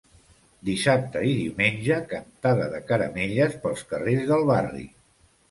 Dissabte i diumenge, cantada de caramelles pels carrers del barri.